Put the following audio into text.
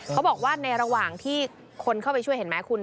เขาบอกว่าในระหว่างที่คนเข้าไปช่วยเห็นไหมคุณ